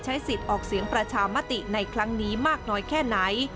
สิทธิ์ออกเสียงประชามติในครั้งนี้มากน้อยแค่ไหน